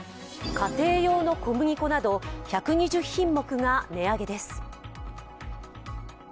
家庭用小麦粉など１２０品目が値上げです。